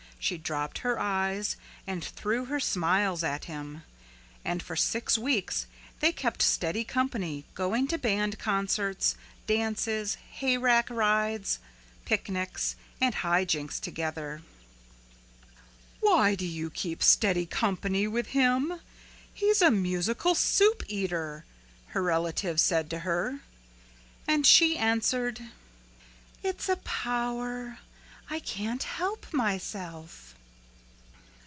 She dropped her eyes and threw her smiles at him. And for six weeks they kept steady company going to band concerts, dances, hayrack rides, picnics and high jinks together. "Why do you keep steady company with him? He's a musical soup eater," her relatives said to her. And she answered, "It's a power I can't help myself."